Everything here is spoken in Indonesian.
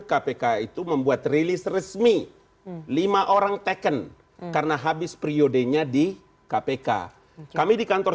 kpk itu membuat rilis resmi lima orang teken karena habis priodenya di kpk kami di kantor